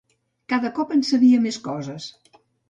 Cada cop en sabia més coses.